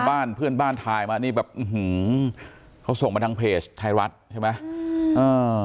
บ้านเพื่อนบ้านถ่ายมานี่แบบอื้อหือเขาส่งมาทางเพจไทยรัฐใช่ไหมอ่า